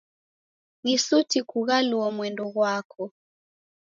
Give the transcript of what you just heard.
Ni suti kughaluo mwendo ghwako.